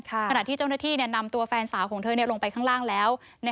ขณะที่เจ้าหน้าที่นำตัวแฟนสาวของเธอลงไปข้างล่างแล้ว